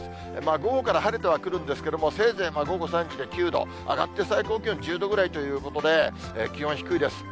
午後から晴れてはくるんですけれども、せいぜい午後３時で９度、上がって最高気温１０度ぐらいということで、気温低いです。